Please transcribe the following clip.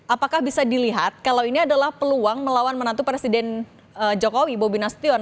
apakah bisa dilihat kalau ini adalah peluang melawan menantu presiden jokowi bobi nasution